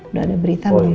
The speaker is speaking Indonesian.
udah ada berita belum